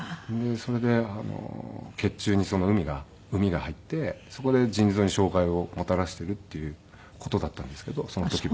それで血中にそのうみが入ってそこで腎臓に障害をもたらしているっていう事だったんですけどその時は。